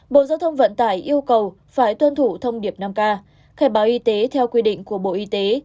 bộ giao thông vận tải yêu cầu phải tuân thủ thông điệp năm k khai báo y tế theo quy định của bộ y tế